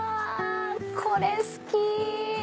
これ好き！